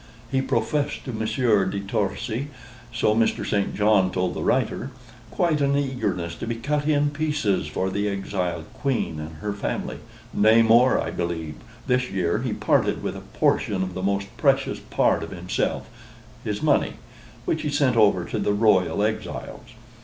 He professed to Monsieur de Torcy, so Mr. St. John told the writer, quite an eagerness to be cut in pieces for the exiled Queen and her family; nay more, I believe, this year he parted with a portion of the most precious part of himself his money which he sent over to the royal exiles.